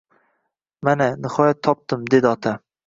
Mana, nihoyat, topdim, dedi ota